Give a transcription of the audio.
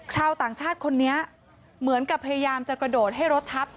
ชาวต่างชาติคนนี้เหมือนกับพยายามจะกระโดดให้รถทับ